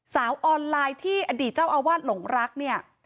สาวออนไลน์ที่อดีตเจ้าอาวาสหลงรักเนี่ย